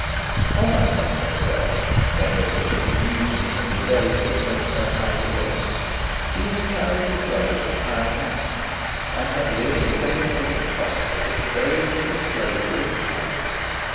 On that memorable day, memorable for his mutiny and rebellion against her high behests, he had carried his way with a high hand, and had really begun to think it possible that the days of his slavery were counted.